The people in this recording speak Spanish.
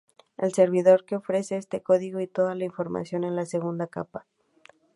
El servidor que ofrece este código y toda la información es la segunda capa.